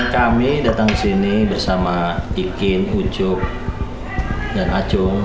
kami datang disini bersama ikin ucuk dan acung